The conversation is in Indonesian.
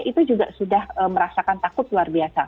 itu juga sudah merasakan takut luar biasa